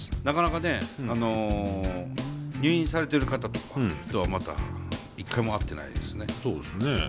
なかなかね入院されてる方とはまだ一回も会ってないですね。